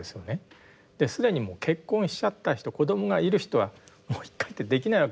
既にもう結婚しちゃった人子どもがいる人はもう一回ってできないわけです。